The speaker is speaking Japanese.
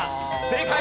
正解！